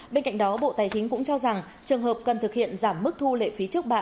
bên cạnh đó bộ tài chính cũng cho rằng trường hợp cần thực hiện giảm mức thu lệ phí trước bạ